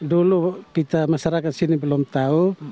dulu kita masyarakat sini belum tahu